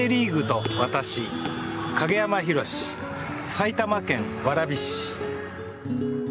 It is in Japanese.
埼玉県蕨市。